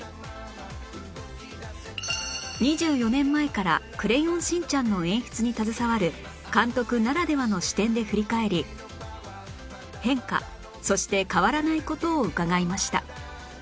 ２４年前から『クレヨンしんちゃん』の演出に携わる監督ならではの視点で振り返り変化そして変わらない事を伺いました